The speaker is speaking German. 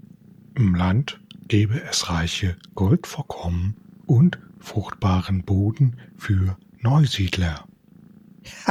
Im Land gäbe es reiche Goldvorkommen und fruchtbaren Boden für Neusiedler.